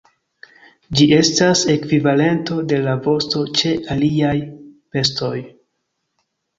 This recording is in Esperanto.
Ĝi estas ekvivalento de la vosto ĉe aliaj bestoj.